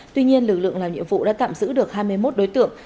tuy nhiên lực lượng làm nhiệm vụ đã tạm giữ được hai mươi một đối tượng